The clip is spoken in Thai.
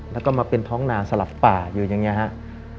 แล้วก็มาเป็นท้องนาสลับป่าอยู่อย่างนี้ครับ